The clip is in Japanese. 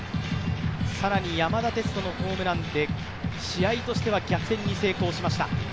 さらには山田哲人のホームランで試合としては逆転に成功しました。